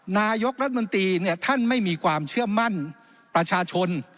นายกรัฐมนตรีเนี่ยท่านไม่มีความเชื่อมั่นประชาชน